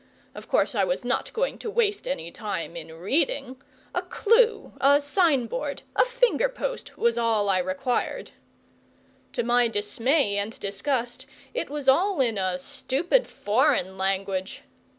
Of course I was not going to waste any time in reading. A clue, a sign board, a finger post was all I required. To my dismay and disgust it was all in a stupid foreign language!